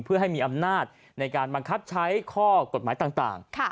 เพื่อให้มีอำนาจในการบังคับใช้ข้อกฎหมายต่าง